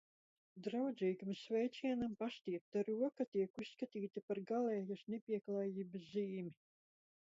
Draudzīgam sveicienam pastiepta roka tiek uzskatīta par galējas nepieklājības zīmi.